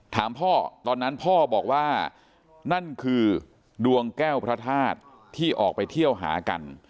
ถามพ่อตอนนั้นพ่อบอกว่านั่นคือดวงแก้วพระธาตุที่ออกไปเที่ยวหากัน